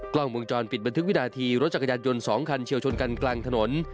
กล้องวงจรปิดบันทึกวินาทีรถจักรยานยนต์๒คันเฉียวชนกันกลางถนน